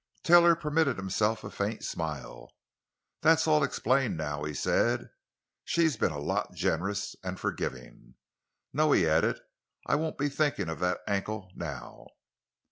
Taylor permitted himself a faint smile. "That's all explained now," he said. "She's been a lot generous—and forgiving. No," he added, "I won't be thinking of that ankle—now!"